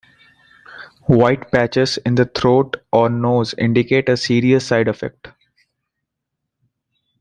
White patches in the throat or nose indicate a serious side effect.